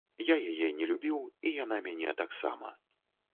Я яе не любіў, і яна мяне таксама.